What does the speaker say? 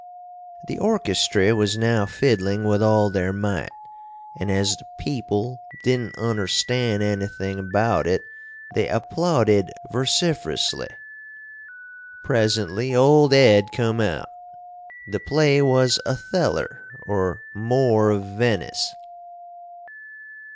The orchestry was now fiddling with all their might & as the peeple didn't understan anything about it they applaudid versifrusly. Presently old Ed cum out. The play was Otheller or More of Veniss.